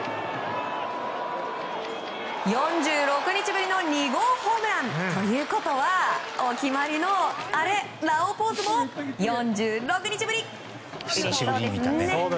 ４６日ぶりの２号ホームラン。ということはお決まりのラオウポーズも４６日ぶり！